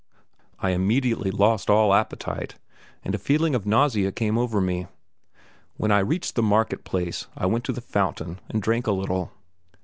I immediately lost all appetite, and a feeling of nausea came over me. When I reached the market place I went to the fountain and drank a little.